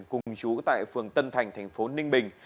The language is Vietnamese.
cùng chú tại phường tân thành thành phố ninh bình